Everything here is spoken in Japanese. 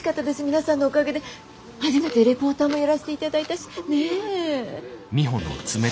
皆さんのおかげで初めてレポーターもやらせて頂いたしねぇ？